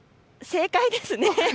正解ですね。